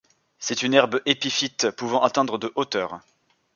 C'est une herbe épiphyte pouvant atteindre de hauteur.